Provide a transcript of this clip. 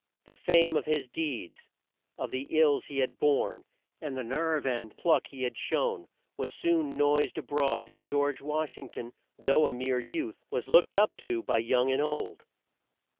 The fame of his deeds, of the ills he had borne, and the nerve and pluck he had shown, was soon noised a broad, and George Wash ing ton, though a mere youth, was looked up to by young and old.